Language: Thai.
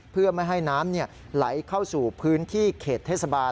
เพื่อไม่ให้น้ำไหลเข้าสู่พื้นที่เขตเทศบาล